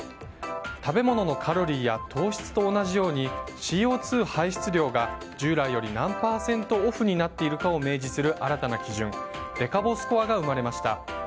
食べ物のカロリーや糖質と同じようにＣＯ２排出量が従来より何パーセントオフになっているかを明示する新たな基準、デカボスコアが生まれました。